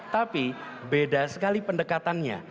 tapi beda sekali pendekatannya